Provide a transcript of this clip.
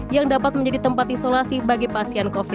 yang dapat menjadi tempat isolasi bagi pasien covid sembilan belas